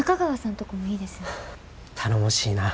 頼もしいな。